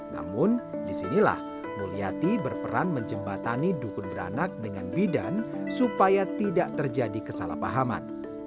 namun disinilah mulyati berperan menjembatani dukun beranak dengan bidan supaya tidak terjadi kesalahpahaman